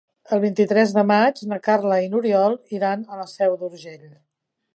El vint-i-tres de maig na Carla i n'Oriol iran a la Seu d'Urgell.